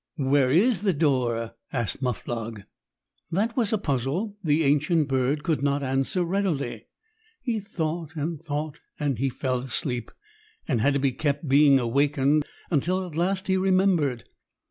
"Where is the door?" asked Muflog. That was a puzzle the ancient bird could not answer readily. He thought and thought and fell asleep and had to be kept being awakened until at last he remembered.